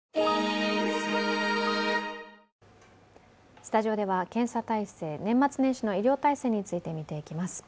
スタジオでは検査体制、年末年始の医療体制について見ていきます。